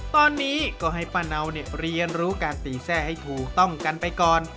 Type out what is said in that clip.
ตอนนี้ก็ให้ป้าเนาเรียนรู้การตีแทร่ให้ถูกต้องกันไปก่อน